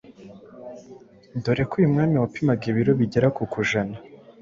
dore ko uyu mwami wapimaga ibiro bigera ku kujana